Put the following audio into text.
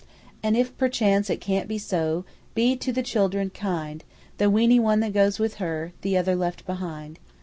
"And if perchance it can't be so, Be to the children kind; The weeny one that goes with her, The other left behind."